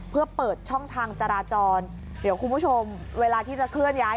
เพื่อเปิดช่องทางจราจรเดี๋ยวคุณผู้ชมเวลาที่จะเคลื่อนย้าย